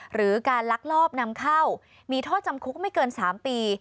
หรือการลักลอบนำเข้ามีโทษจำคุกไม่เกิน๓ปี